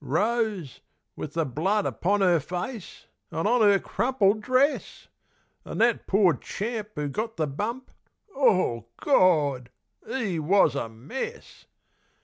Rose, with the blood upon 'er face An' on 'er crumpled dress! An' that poor champ who got the bump Ah, Gawd! 'E was a mess!